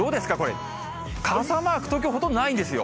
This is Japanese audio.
傘マーク、東京、ほとんどないんですよ。